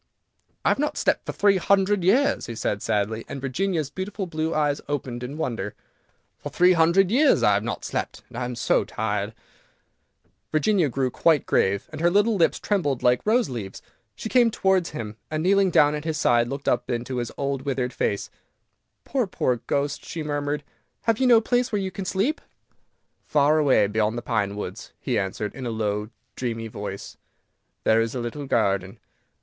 "I have not slept for three hundred years," he said sadly, and Virginia's beautiful blue eyes opened in wonder; "for three hundred years I have not slept, and I am so tired." Virginia grew quite grave, and her little lips trembled like rose leaves. She came towards him, and kneeling down at his side, looked up into his old withered face. "Poor, poor Ghost," she murmured; "have you no place where you can sleep?" [Illustration: "'POOR, POOR GHOST,' SHE MURMURED; 'HAVE YOU NO PLACE WHERE YOU CAN SLEEP?'"] "Far away beyond the pine woods," he answered, in a low, dreamy voice, "there is a little garden.